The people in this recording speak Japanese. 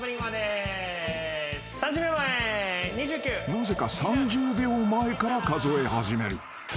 ［なぜか３０秒前から数え始める］